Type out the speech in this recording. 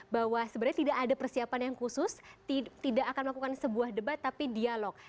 bahwa sebenarnya tidak ada persiapan yang khusus tidak akan melakukan sebuah debat tapi dialog